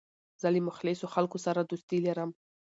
زه له مخلصو خلکو سره دوستي لرم.